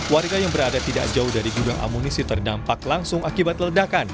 warga yang berada tidak jauh dari gudang amunisi terdampak langsung akibat ledakan